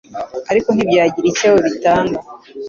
ariko ntibyagira icyo bitanga